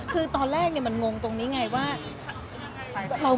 ก็ตอนแรกเนี่ยมันงงตรงนี้ไงว่า